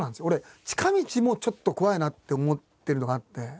俺近道もちょっと怖いなって思ってるのがあって。